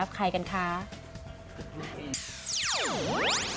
ใครกันคะ